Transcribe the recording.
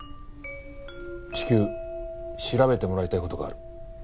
至急調べてもらいたい事がある。